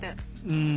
うん。